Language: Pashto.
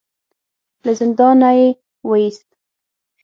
له زندانه يې وايست.